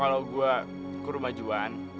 kalau gue ke rumah juan